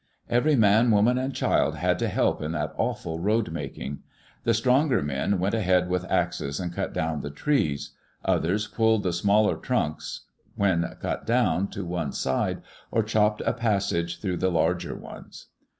Every man, woman, and child had to help in that awful road making. The stronger men went ahead with axes and cut down the trees; others pulled the smaller trunks, when cut down, to one side, or chopped a passage through the larger ones.